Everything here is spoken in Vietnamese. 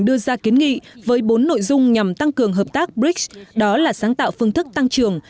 đã kiến nghị với bốn nội dung nhằm tăng cường hợp tác brics đó là sáng tạo phương thức tăng trường